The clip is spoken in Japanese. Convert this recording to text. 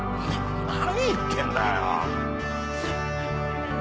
何言ってんだよ！